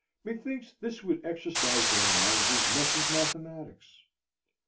Methinks this would exercise their minds as much as mathematics.